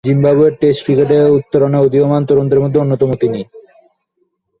জিম্বাবুয়ের টেস্ট ক্রিকেটে উত্তরণে উদীয়মান তরুণদের মধ্যে অন্যতম তিনি।